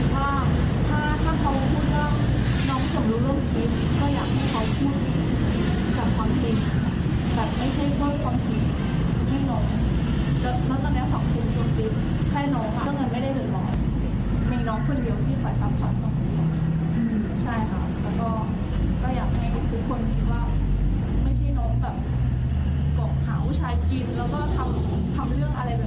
ว่าไม่ใช่น้องแบบเกาะเผาชายกินแล้วก็ทำเรื่องอะไรแบบนี้